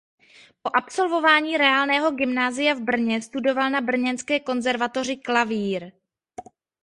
Po absolvování reálného gymnázia v Brně studoval na brněnské konzervatoři klavír.